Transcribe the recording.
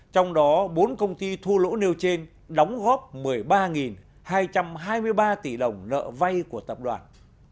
trong đó bốn công ty thua lỗ nêu trên đóng góp một mươi ba hai trăm hai mươi ba tỷ đồng nợ vay của tập đoàn